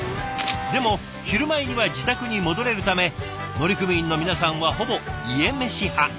でも昼前には自宅に戻れるため乗組員の皆さんはほぼ家メシ派。